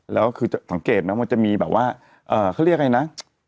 แล้วคือสังเกตไหมมันจะมีแบบว่าเขาเรียกอะไรนะ